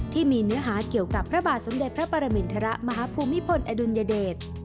ที่มีเนื้อหาเกี่ยวกับพระบาทสมเด็จพระปรมินทรมาฮภูมิพลอดุลยเดช